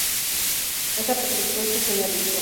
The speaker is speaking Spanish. Esa percepción se generalizó.